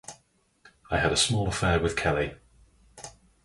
I had a small affair with Kelly.